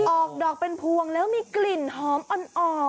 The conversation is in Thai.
ออกดอกเป็นพวงแล้วมีกลิ่นหอมอ่อน